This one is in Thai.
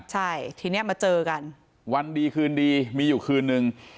ใช่ทีนี้มาเจอกันวันดีคืนดีมีอยู่คืนนึง